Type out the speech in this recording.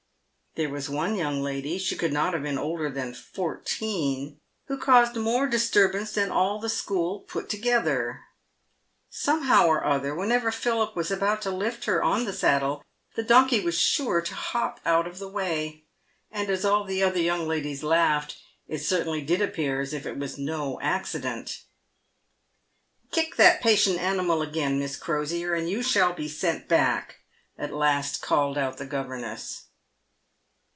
There was one young lady — she could not have been older than fourteen — who caused more disturbance than all the school put toge ther. Somehow or other, whenever Philip was about to lift her on the saddle, the donkey was sure to hop out of the way ; and as all the other young ladies laughed, it certainly did appear as if it was no accident. " Kick that patient animal again, Miss Crosier, and you shall be sent back," at last called out the governess.